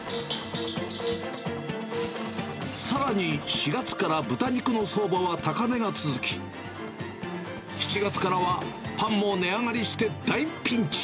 さらに４月から豚肉の相場は高値が続き、７月からはパンも値上がりして大ピンチ。